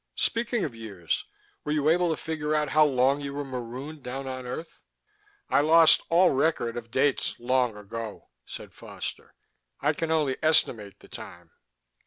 Speaking of years: were you able to figure out how long you were marooned down on earth?" "I lost all record of dates long ago," said Foster. "I can only estimate the time."